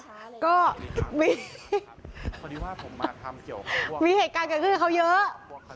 พอดีว่าผมมาทำเกี่ยวกับมีเหตุการณ์เกิดขึ้นกับเขาเยอะ